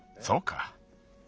そうか。